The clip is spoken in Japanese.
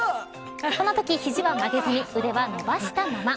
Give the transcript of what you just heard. このとき肘は曲げずに腕は伸ばしたまま。